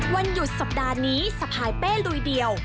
วันหยุดสัปดาห์นี้สะพายเป้ลุยเดียว